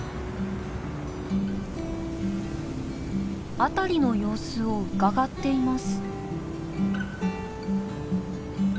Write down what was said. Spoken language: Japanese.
辺りの様子をうかがっています。